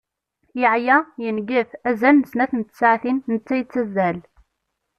Yeɛya, yengef, azal n snat n tsaɛtin netta yettazzal.